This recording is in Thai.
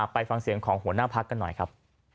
ไปฟังเสียงของหัวหน้าพักกันหน่อยครับ